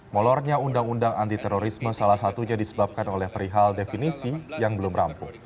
molornya undang undang anti terorisme salah satunya disebabkan oleh perihal definisi yang belum rampung